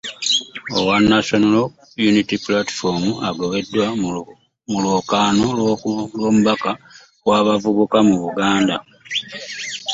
Owa National Unity Platform agobeddwa mu lwokaano lw'omubaka w'abavubuka mu Buganda